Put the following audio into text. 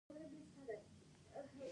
آیا ایران له افغانستان سره ډیر تجارت نلري؟